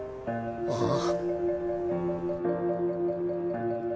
ああ。